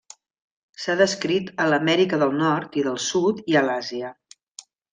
S'ha descrit a l'Amèrica del Nord i del Sud i a l'Àsia.